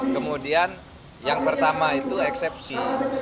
kemudian yang pertama itu eksepsi